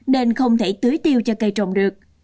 nên không thể tưới tiêu cho cây trồng được